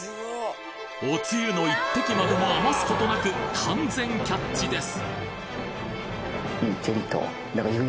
お汁の一滴までも余すことなく完全キャッチです！